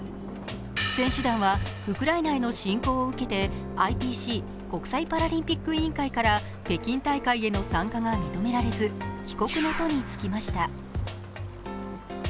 選手団はウクライナへの侵攻を受けてＩＰＣ＝国際パラリンピック委員会から北京大会への参加が認められず帰国の途につきました。